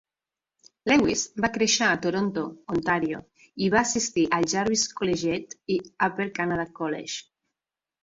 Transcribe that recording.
Lewis va créixer a Toronto (Ontario) i va assistir al Jarvis Collegiate i Upper Canada College.